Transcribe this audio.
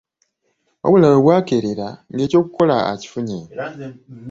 Wabula we bwakeerera ng'ekyokukola akifunye.